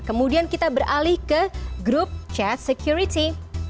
kemudian kita beralih ke grup chat security